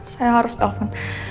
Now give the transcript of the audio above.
saya harus telfon